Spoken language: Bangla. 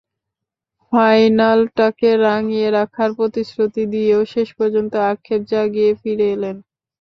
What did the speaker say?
ফাইনালটাকে রাঙিয়ে রাখার প্রতিশ্রুতি দিয়েও শেষ পর্যন্ত আক্ষেপ জাগিয়ে ফিরে এলেন।